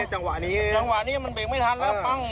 จังหวะนี้มันเบียบไม่ทันแล้วปั้งเลย